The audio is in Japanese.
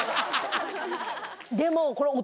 でもこれ。